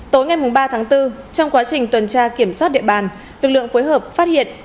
tối ngày ba tháng bốn trong quá trình tuần tra kiểm soát địa bàn lực lượng phối hợp phát hiện